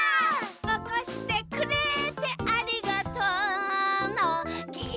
「おこしてくれてありがとうのぎゅっ」